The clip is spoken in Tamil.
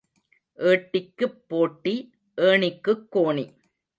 ஏட்டிக்குப் போட்டி, ஏணிக்குக் கோணி.